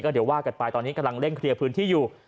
เดี๋ยวว่ากันไปตอนนี้กำลังเร่งเคลียร์พื้นที่อยู่